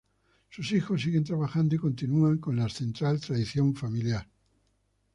Sus hijos siguen trabajando y continúan con la ancestral tradición familiar.